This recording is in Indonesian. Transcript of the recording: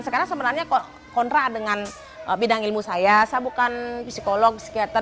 sekarang sebenarnya kontra dengan bidang ilmu saya saya bukan psikolog psikiater